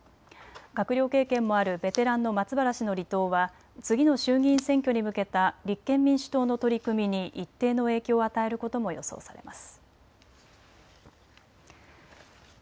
閣僚経験もあるベテランの松原氏の離党は次の衆議院選挙に向けた立憲民主党の取り組みに一定の影響を与えることも予想されます。